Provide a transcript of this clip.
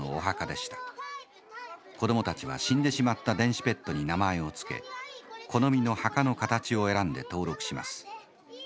子どもたちは死んでしまった電子ペットに名前を付け好みの墓の形を選んで登録します。